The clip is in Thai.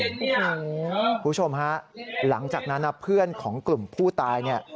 คุณผู้ชมครับหลังจากนั้นเพื่อนของกลุ่มผู้ตาย